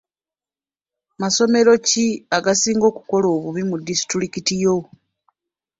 Masomero ki agasinga okukola obubi mu disitulikiti yo?